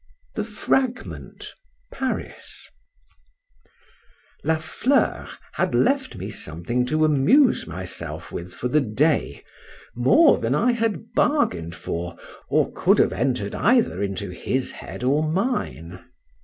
THE FRAGMENT. PARIS. LA FLEUR had left me something to amuse myself with for the day more than I had bargain'd for, or could have enter'd either into his head or mine.